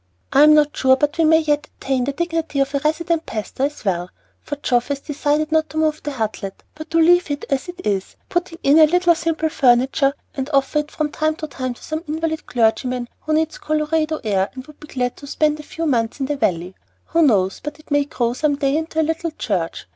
I am not sure but we may yet attain to the dignity of a 'resident pastor' as well, for Geoff has decided not to move the Hutlet, but leave it as it is, putting in a little simple furniture, and offer it from time to time to some invalid clergyman who needs Colorado air and would be glad to spend a few months in the Valley. Who knows but it may grow some day into a little church?